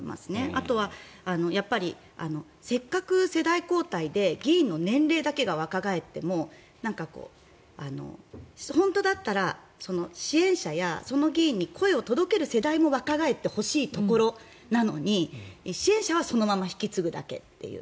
あとは、せっかく世代交代で議員の年齢だけが若返っても本当だったら支援者やその議員に声を届ける世代も若返ってほしいところなのに支援者はそのまま引き継ぐだけっていう。